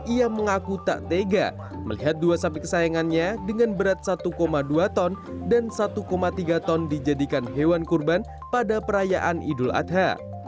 ia mengaku tak tega melihat dua sapi kesayangannya dengan berat satu dua ton dan satu tiga ton dijadikan hewan kurban pada perayaan idul adha